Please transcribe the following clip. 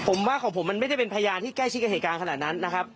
ผมว่าของผมมันไม่ได้เป็นพยานที่ใกล้ชิดกับเหตุการณ์ขนาดนั้นนะครับ